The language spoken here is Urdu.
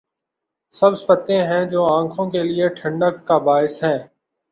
سبز پتے ہیں جو آنکھوں کے لیے ٹھنڈک کا باعث ہیں۔